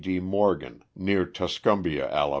D. Morgan, near Tuscumbia, Ala.